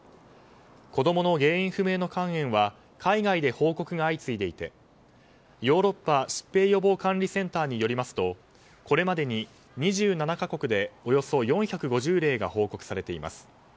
子供の原因不明の肝炎は海外で報告が相次いでいてヨーロッパ疾病予防管理センターによりますとこれまでに２７か国でおよそ４５０例が報告されています。